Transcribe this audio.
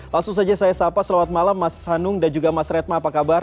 langsung saja saya sapa selamat malam mas hanung dan juga mas retma apa kabar